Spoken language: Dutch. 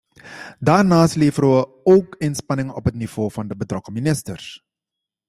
Daarnaast leveren wij ook inspanningen op het niveau van de betrokken ministers.